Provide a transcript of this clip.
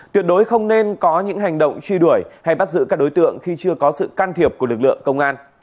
tuyệt đối không nên có những hành động truy đuổi hay bắt giữ các đối tượng khi chưa có sự can thiệp của lực lượng công an